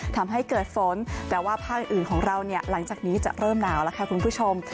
ทำให้เกิดฝนแต่ว่าภาคอื่นของเราเนี่ยหลังจากนี้จะเริ่มหนาวแล้วค่ะคุณผู้ชม